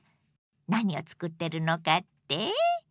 何をつくってるのかって？